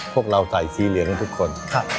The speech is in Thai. พวกเราใส่สีเหลืองทุกคน